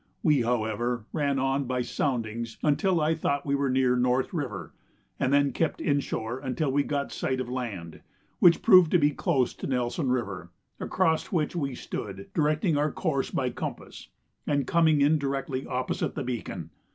We, however, ran on by soundings until I thought we were near North River, and then kept inshore until we got sight of land, which proved to be close to Nelson River, across which we stood, directing our course by compass, and coming in directly opposite the beacon.